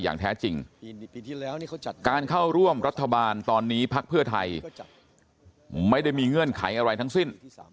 อย่างแท้จริงการเข้าร่วมรัฐบาลตอนนี้พักเพื่อไทยไม่ได้มีเงื่อนไขอะไรทั้งสิ้น